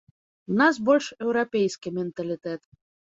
У нас больш еўрапейскі менталітэт.